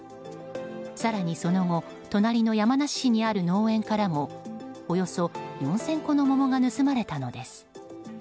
更に、その後隣の山梨市にある農園からもおよそ４０００個の桃が盗まれたのです。